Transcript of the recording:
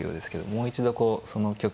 もう一度こうその局面